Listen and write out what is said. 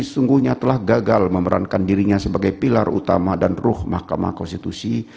sesungguhnya telah gagal memerankan dirinya sebagai pilar utama dan ruh mahkamah konstitusi